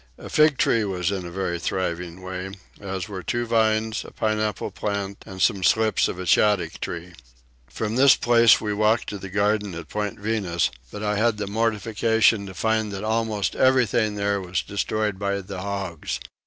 A fig tree was in a very thriving way, as were two vines, a pineapple plant, and some slips of a shaddock tree. From this place we walked to the garden at Point Venus, but I had the mortification to find almost everything there destroyed by the hogs.